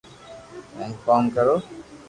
ھين ڪوم ڪرو